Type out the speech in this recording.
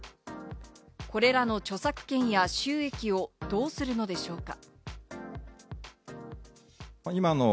これらの著作権や収益をどうするのでしょうか？